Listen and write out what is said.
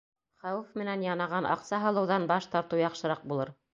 Хәүеф менән янаған аҡса һалыуҙан баш тартыу яҡшыраҡ булыр.